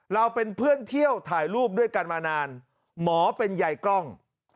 เราเป็นเพื่อนเที่ยวถ่ายรูปด้วยกันมานานหมอเป็นใยกล้อง